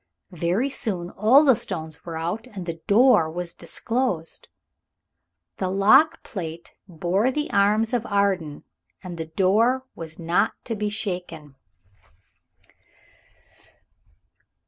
Very soon all the stones were out, and the door was disclosed. The lock plate bore the arms of Arden, and the door was not to be shaken.